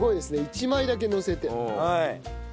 １枚だけのせて。